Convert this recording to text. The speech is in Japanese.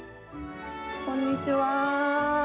こんにちは。